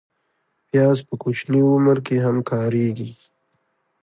پیاز په کوچني عمر کې هم کارېږي